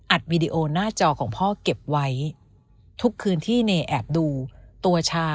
วีดีโอหน้าจอของพ่อเก็บไว้ทุกคืนที่เนยแอบดูตัวชา